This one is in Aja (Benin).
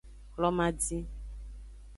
Hlomadin.